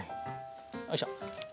よいしょ。